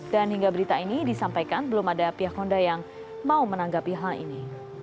dan hingga berita ini disampaikan belum ada pihak honda yang mau menanggapi hal ini